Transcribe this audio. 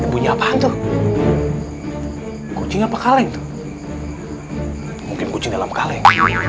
bunyi apaan tuh kucing apa kaleng tuh mungkin kucing dalam kaleng